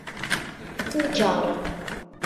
Nker.